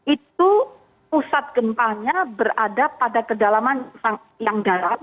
itu pusat gempanya berada pada kedalaman yang dalam